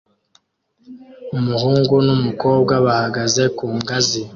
Umuhungu n'umukobwa bahagaze ku ngazi